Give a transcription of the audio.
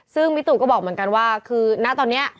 ซึ่งมิตุก็บอกเหมือนกันว่าคือณตอนนี้